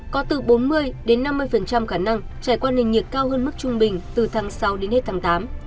có từ bốn mươi đến năm mươi khả năng trải qua nền nhiệt cao hơn mức trung bình từ tháng sáu đến hết tháng tám